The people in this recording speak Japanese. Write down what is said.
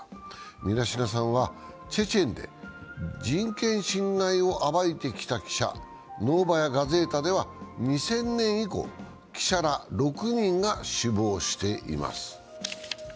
ミラシナさんはチェチェンで人権侵害を暴いてきた記者で「ノーバヤ・ガゼータ」では２０００年以降、記者ら６人が死亡しています。